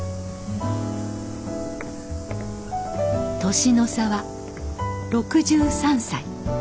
年の差は６３歳。